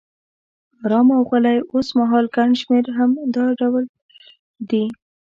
آرام او غلی، اوسمهال ګڼ شمېر هم دا ډول دي.